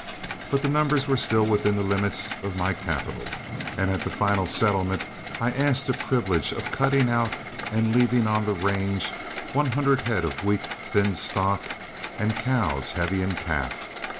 But the numbers were still within the limits of my capital, and at the final settlement I asked the privilege of cutting out and leaving on the range one hundred head of weak, thin stock and cows heavy in calf.